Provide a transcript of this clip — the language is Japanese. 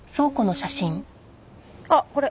あっこれ！